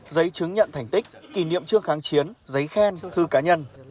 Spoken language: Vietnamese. giấy chứng nhận thành tích kỷ niệm trước kháng chiến giấy khen thư cá nhân